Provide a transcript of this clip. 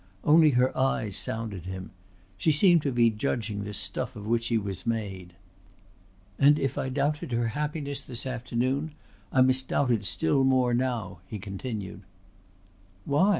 Only her eyes sounded him. She seemed to be judging the stuff of which he was made. "And if I doubted her happiness this afternoon I must doubt it still more now," he continued. "Why?"